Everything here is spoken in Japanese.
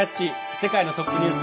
世界のトップニュース」。